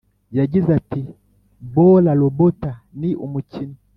yagize ati “bola lobota ni umukinnyi